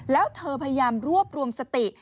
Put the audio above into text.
แล้วเธอพยายามรวบรวมสติ